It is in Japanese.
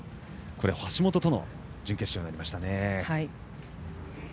橋本との準決勝となりました。